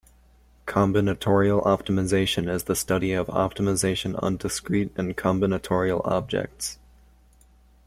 Combinatorial optimization is the study of optimization on discrete and combinatorial objects.